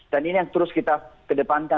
dan ini yang terus kita kedepankan